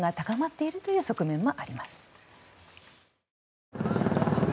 今、市民からの不満が高まっているという側面もあります。